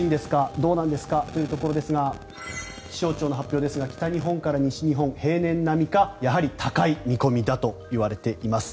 どうなんですか？というところですが気象庁の発表ですが北日本から西日本平年並みか、やや高い見込みだとされています。